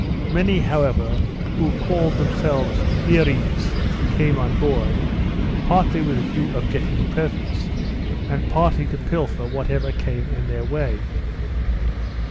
Many, however, who called themselves Earees, came on board, partly with a view of getting presents, and partly to pilfer whatever came in their way.